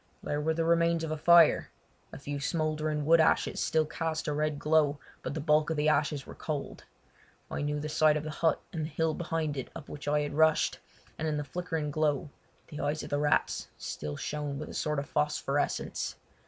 There were the remains of a fire—a few smouldering wood ashes still cast a red glow, but the bulk of the ashes were cold. I knew the site of the hut and the hill behind it up which I had rushed, and in the flickering glow the eyes of the rats still shone with a sort of phosphorescence.